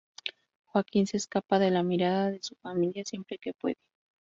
Joaquín se escapa de la mirada de su familia siempre que puede.